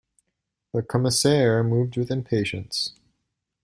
The Commissaire moved with impatience.